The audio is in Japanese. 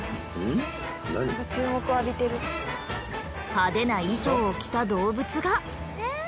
派手な衣装を着た動物が。